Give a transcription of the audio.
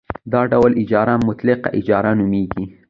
دا ډول اجاره مطلقه اجاره نومېږي